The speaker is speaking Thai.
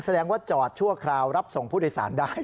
แสดงว่าจอดชั่วคราวรับส่งผู้โดยสารได้